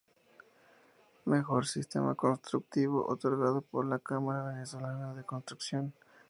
Mejor sistema constructivo, otorgado por la Cámara Venezolana de la Construcción.